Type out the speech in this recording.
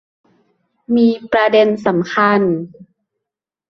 มีประเด็นสำคัญ